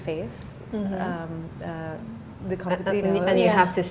dan kita harus